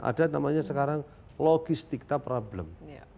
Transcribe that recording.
ada namanya sekarang logistik kita problem